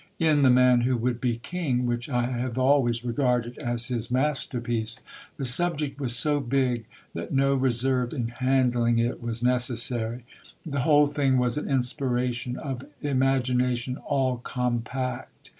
In The Man Who Would Be King, which I have always regarded as his masterpiece, the subject was so big that no reserve in handling it was necessary. The whole thing was an inspiration, of imagination all compact.